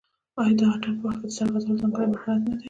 آیا د اتن په وخت کې د سر خوځول ځانګړی مهارت نه دی؟